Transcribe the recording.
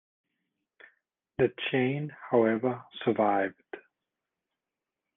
The chain, however, survived.